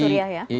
idlib suria ya